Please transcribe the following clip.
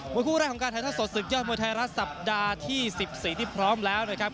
วันคู่แรกของการไทยท่อสดสุดยอดวันไทยละสัปดาห์ที่๑๔ที่พร้อมแล้วนะครับ